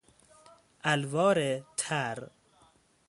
الوار تر